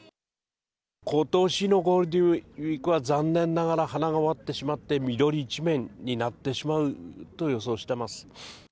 ことしのゴールデンウィークは残念ながら花が終わってしまって、緑一面になってしまうと予想